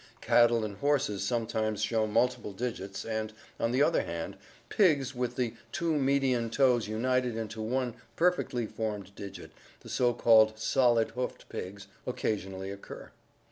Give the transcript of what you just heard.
Cattle and horses sometimes show multiple digits and, on the other hand, pigs with VARIATION AND MUTATION 137 the two median toes united into one perfectly formed digit, the so called solid hoofed pigs, occasionally occur.